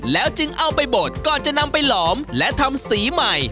แล้วจึงเอาไปบดก่อนจะนำไปหลอมและทำสีใหม่